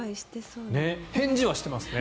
返事はしていますね。